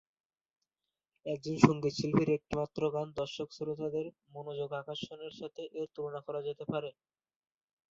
একজন সঙ্গীত শিল্পীর একটিমাত্র গান দর্শক-শ্রোতাদের মনোযোগ আকর্ষণের সাথে এর তুলনা করা যেতে পারে।